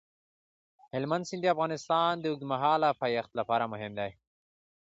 هلمند سیند د افغانستان د اوږدمهاله پایښت لپاره مهم دی.